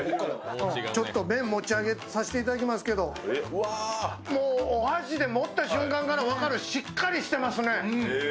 ちょっと麺、持ちあげさせてもらいますけど、もうお箸で持った瞬間から分かるしっかりしてますね。